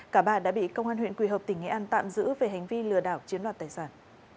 cả bà đã bị công an huyện quỳ hợp tỉnh nghệ an tạm giữ về hành vi lừa đảo chiếm đoạt tài sản